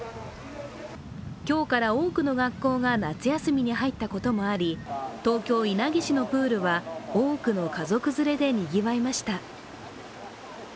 今日から多くの学校が夏休みに入ったこともあり東京・稲城市のプールは多くの家族連れでにぎわいました。